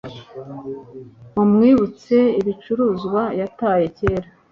mumwibutse ibicuruzwa yataye kera